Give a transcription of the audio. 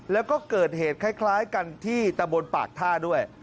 แล้วก็เกิดเหตุคล้ายกันที่ตะบนปากท่าด้วย